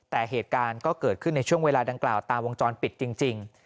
แต่เหตุการณ์ก็เกิดขึ้นในช่วงเวลาดังกล่าวตามวงจรปิดจริง